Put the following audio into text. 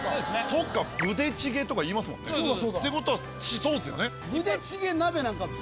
そっか。とか言いますもんねってことはそうですよね。